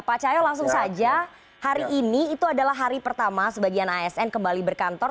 pak cahyo langsung saja hari ini itu adalah hari pertama sebagian asn kembali berkantor